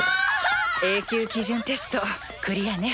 Ａ級基準テストクリアね。